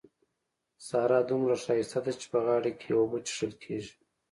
سارا دومره ښايسته ده چې په غاړه کې يې اوبه څښل کېږي.